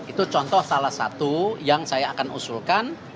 itu contoh salah satu yang saya akan usulkan